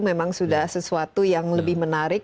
memang sudah sesuatu yang lebih menarik